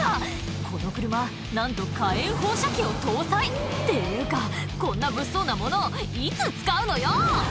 この車なんと火炎放射器を搭載っていうかこんな物騒なものいつ使うのよ！